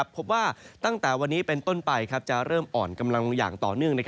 พบว่าตั้งแต่วันนี้เป็นต้นไปจะเริ่มอ่อนกำลังอย่างต่อเนื่อง